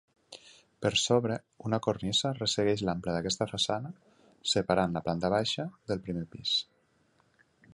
Per sobre, una cornisa ressegueix l'ample d'aquesta façana, separant la planta baixa del primer pis.